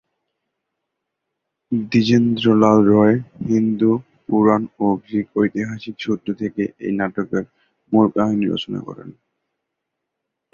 দ্বিজেন্দ্রলাল রায় হিন্দু পুরাণ ও গ্রিক ঐতিহাসিক সূত্র থেকে এই নাটকের মূল কাহিনী রচনা করেন।